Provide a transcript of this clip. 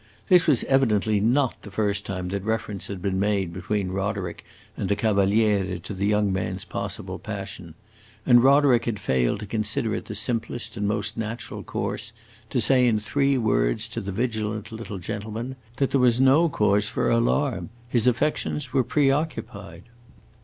This was evidently not the first time that reference had been made between Roderick and the Cavaliere to the young man's possible passion, and Roderick had failed to consider it the simplest and most natural course to say in three words to the vigilant little gentleman that there was no cause for alarm his affections were preoccupied.